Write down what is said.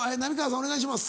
お願いします。